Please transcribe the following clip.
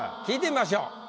聞いてみましょう。